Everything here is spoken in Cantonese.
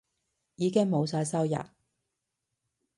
已經冇晒收入